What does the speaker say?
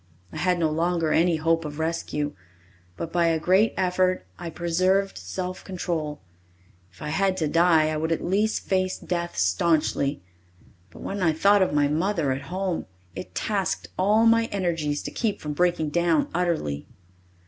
I had no longer any hope of rescue but, by a great effort, I preserved self control. If I had to die, I would at least face death staunchly. But when I thought of my mother at home, it tasked all my energies to keep from breaking down utterly.